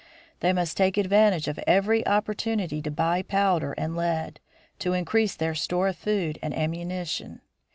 They must take advantage of every opportunity to buy powder and lead, to increase their store of food and ammunition.